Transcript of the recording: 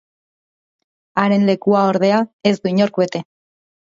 Haren lekua, ordea, ez du inork bete.